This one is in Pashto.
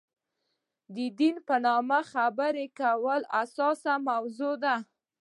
دین په نامه خبرې کول حساسه موضوع ده.